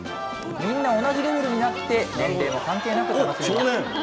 みんな同じレベルになって、年齢も関係なく楽しめます。